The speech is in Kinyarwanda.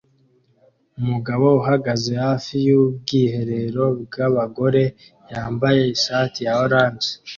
Umugabo uhagaze hafi yubwiherero bwabagore yambaye ishati ya orange